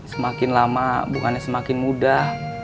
semakin lama bukannya semakin mudah